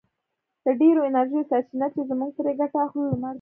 د ډېرو انرژیو سرچینه چې موږ ترې ګټه اخلو لمر دی.